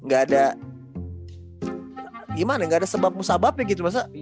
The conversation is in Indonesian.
gak ada gimana gak ada sebab musababnya gitu masa